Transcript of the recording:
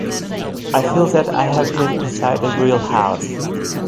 I feel that I have been inside a real house.